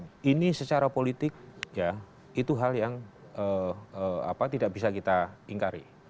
nah ini secara politik ya itu hal yang tidak bisa kita ingkari